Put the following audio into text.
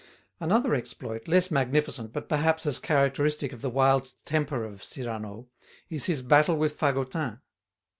Another exploit, less magnificent, but perhaps as characteristic of the wild temper of Cyrano, is his battle with Fagotin.